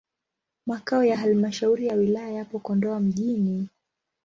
Makao ya halmashauri ya wilaya yapo Kondoa mjini.